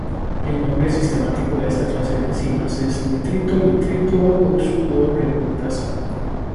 El nombre sistemático de esta clase de enzimas es nitrito:nitrito oxidorreductasa.